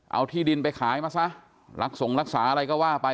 เอาที่ดินไปขายมาซะรักส่งรักษาอะไรก็ว่าไป